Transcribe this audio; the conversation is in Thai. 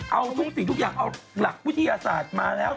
เอาทุกสิ่งทุกอย่างเอาหลักวิทยาศาสตร์มาแล้ว